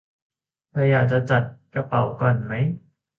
เธออยากจะจัดกระเป๋าก่อนไหม